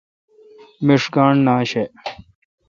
میݭ گانٹھ نہ آشہ۔